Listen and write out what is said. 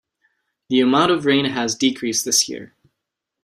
The amount of rain has decreased this year.